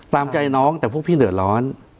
ตามใจน้องแต่พวกพี่เดือดร้อน